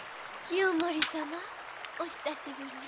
清盛様お久しぶり。